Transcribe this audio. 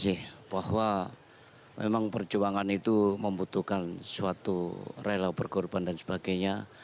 saya ingin mengucapkan bahwa memang perjuangan itu membutuhkan suatu rela berkorban dan sebagainya